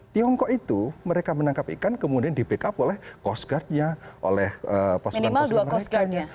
tiongkok itu mereka menangkap ikan kemudian di backup oleh coast guardnya oleh pasukan pasukan mereka nya